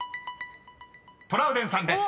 ［トラウデンさんです］